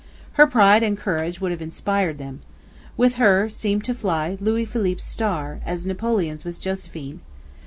Her pride and courage would have inspired them. With her seemed to fly Louis Philippe's star, as Napoleon's with Josephine.